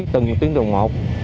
từng tuyến tuần một